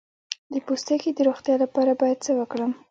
د پوستکي د روغتیا لپاره باید څه وکړم؟